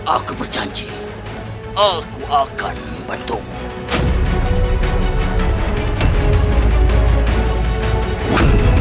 aku berjanji aku akan membantumu